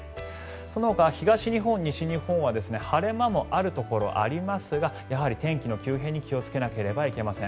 そのほか東日本、西日本は晴れ間もあるところがありますがやはり天気の急変に気をつけなければいけません。